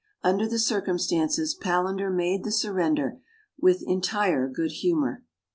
Under the circumstances, Palander made the surrender with entire good humour.